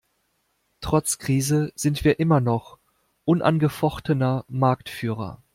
Trotz Krise sind wir immer noch unangefochtener Marktführer.